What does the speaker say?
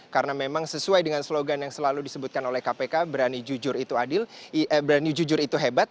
karena memang sesuai dengan slogan yang selalu disebutkan oleh kpk berani jujur itu adil berani jujur itu hebat